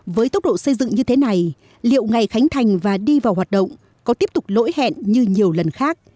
với tốc độ xây dựng như thế này liệu ngày khánh thành và đi vào hoạt động có tiếp tục lỗi hẹn như nhiều lần khác